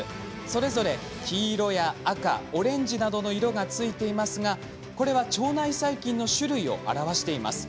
それぞれ、黄色や赤、オレンジなどの色がついていますがこれは腸内細菌の種類を表しています。